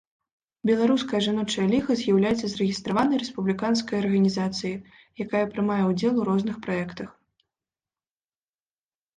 Беларуская жаночая ліга з'яўляецца зарэгістраванай рэспубліканскай арганізацыяй, якая прымае ўдзел у розных праектах.